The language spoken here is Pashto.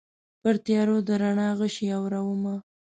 پرتیارو د رڼا غشي اورومه